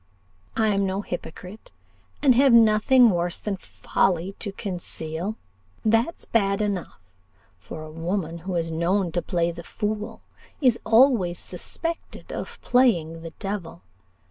I am no hypocrite, and have nothing worse than folly to conceal: that's bad enough for a woman who is known to play the fool is always suspected of playing the devil.